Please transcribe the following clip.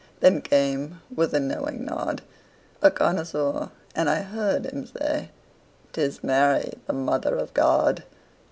Then came, with a knowing nod, A connoisseur, and I heard him say; "'Tis Mary, the Mother of God."